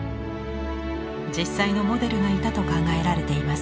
実際のモデルがいたと考えられています。